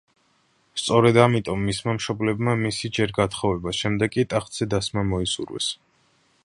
სწორედ ამიტომ მისმა მშობლებმა მისი ჯერ გათხოვება, შემდეგ კი ტახტზე დასმა მოისურვეს.